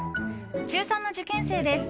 中３の受験生です。